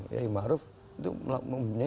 yai maruf itu mempunyai